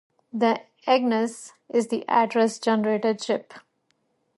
The Agnus is the Address Generator Chip.